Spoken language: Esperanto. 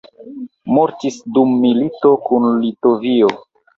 Mortis dum milito kun Litovio.